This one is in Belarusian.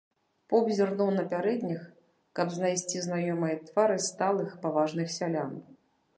Поп зірнуў на пярэдніх, каб знайсці знаёмыя твары сталых, паважных сялян.